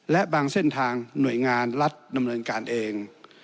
และบางเส้นทางหน่วยงานรัฐดำเนินการเอง